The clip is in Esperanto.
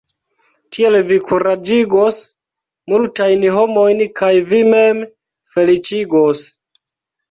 Tiel vi kuraĝigos multajn homojn kaj vin mem feliĉigos.